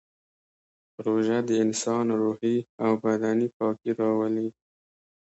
روژه د انسان روحي او بدني پاکي راولي